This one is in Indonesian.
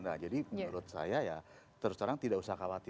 nah jadi menurut saya ya terus terang tidak usah khawatir